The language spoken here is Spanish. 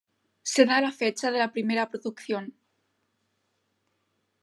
Se da la fecha de la primera producción.